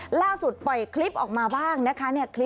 ล่าสุดปล่อยคลิปออกมาบ้างนะคะ